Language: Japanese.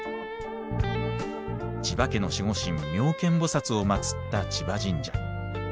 千葉家の守護神妙見菩を祭った千葉神社。